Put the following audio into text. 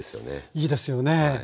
いいですよね。